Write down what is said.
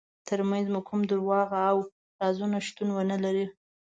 ترمنځ مو کوم دروغ او رازونه شتون ونلري.